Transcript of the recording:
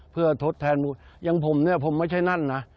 เพื่อทดแทนอย่างผมผมไม่ใช่นั้นนะ